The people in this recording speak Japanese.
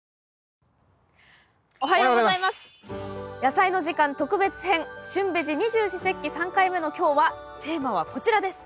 「やさいの時間特別編旬ベジ二十四節気」３回目の今日はテーマはこちらです。